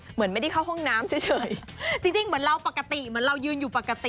เหมือนไม่ได้เข้าห้องน้ำเฉย